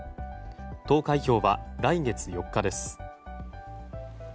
投開票は来月４日です。